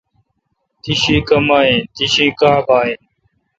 تی شی کما این؟ تی شی کا ں باگہ این۔